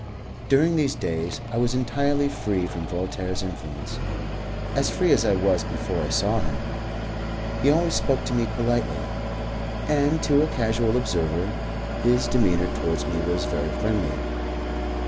During these days I was entirely free from Voltaire's influence, as free as I was before I saw him. He always spoke to me politely, and to a casual observer his demeanour towards me was very friendly.